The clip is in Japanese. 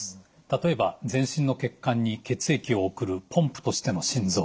例えば全身の血管に血液を送るポンプとしての心臓。